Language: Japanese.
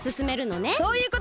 そういうこと！